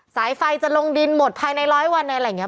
สายไฟจะลงดินหมดภายในร้อยวันอะไรอย่างนี้